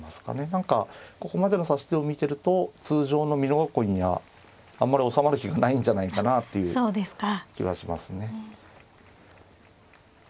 何かここまでの指し手を見てると通常の美濃囲いにはあんまりおさまる気がないんじゃないかなという気がしますね。